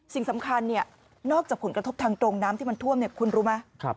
สิ่งสำคัญนอกจากผลกระทบทางตรงน้ำที่มันท่วมคุณรู้ไหม